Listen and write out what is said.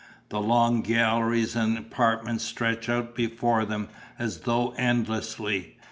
The long galleries and apartments stretched out before them, as though endlessly.